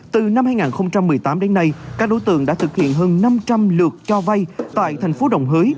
từ năm hai nghìn một mươi tám đến nay các đối tượng đã thực hiện hơn năm trăm linh lượt cho vay tại thành phố đồng hới